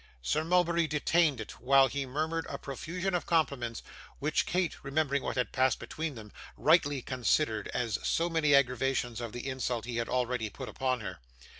Sir Mulberry detained it while he murmured a profusion of compliments, which Kate, remembering what had passed between them, rightly considered as so many aggravations of the insult he had already put upon her.